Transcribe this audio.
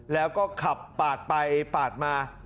แล้วก็ขับปาดไปปาดมา